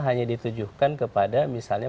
hanya ditujukan kepada misalnya